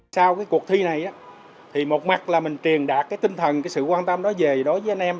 sau cuộc thi này một mặt là mình truyền đạt tinh thần sự quan tâm đó về đối với anh em